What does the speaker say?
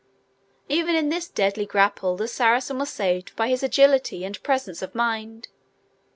Even in this deadly grapple the Saracen was saved by his agility and presence of mind.